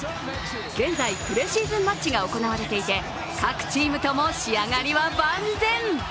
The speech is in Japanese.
現在、プレシーズンマッチが行われていて各チームとも、仕上がりは万全。